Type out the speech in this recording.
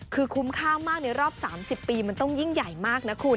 คือคุ้มค่ามากในรอบ๓๐ปีมันต้องยิ่งใหญ่มากนะคุณ